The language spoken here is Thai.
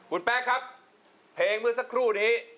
คุณแป๊กครับเพลงเมื่อสักครู่นี้